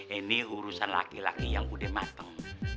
ini urusan laki laki yang udah mateng